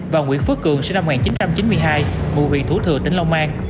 và nguyễn phước cường sinh năm một nghìn chín trăm chín mươi hai ngụ huyện thủ thừa tỉnh long an